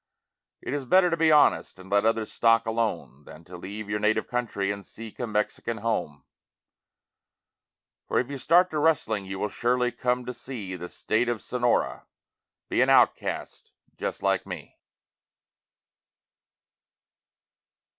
It is better to be honest and let other's stock alone Than to leave your native country and seek a Mexican home. For if you start to rustling you will surely come to see The State of Sonora, be an outcast just like me.